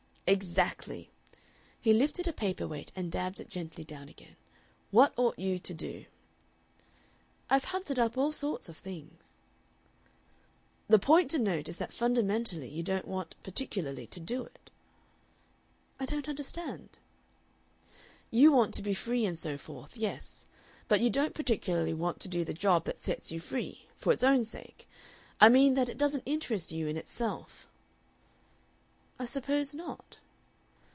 "Exactly!" He lifted a paper weight and dabbed it gently down again. "What ought you to do?" "I've hunted up all sorts of things." "The point to note is that fundamentally you don't want particularly to do it." "I don't understand." "You want to be free and so forth, yes. But you don't particularly want to do the job that sets you free for its own sake. I mean that it doesn't interest you in itself." "I suppose not."